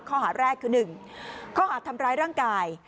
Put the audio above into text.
ข้อหาแรกคือ๑ข้อหาดทำร้ายร่างกาย